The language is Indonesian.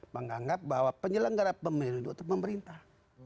menganggap bahwa penyelenggara pemilu itu pemerintah